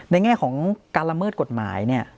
ในแง่ของการละเมิดกฎหมาย